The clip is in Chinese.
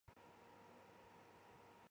库班国旗是一面水平的三色旗。